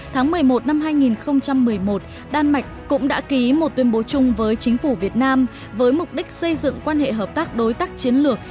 tháng một mươi một năm hai nghìn một mươi một đan mạch cũng đã ký một tuyên bố chung với chính phủ việt nam với mục đích xây dựng quan hệ hợp tác đối tác chiến lược